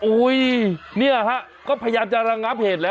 โอ้โฮนี่ครับก็พยายามจะระงับเหตุแล้ว